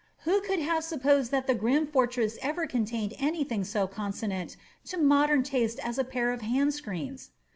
'' Who could have supposed that the grim fortress ever contained any thing so conso nant to modern taste as a pair of hand screens